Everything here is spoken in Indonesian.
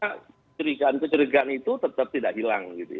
kecerigaan kecerigaan itu tetap tidak hilang